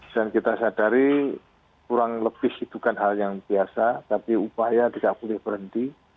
dan kita sadari kurang lebih itu kan hal yang biasa tapi upaya tidak boleh berhenti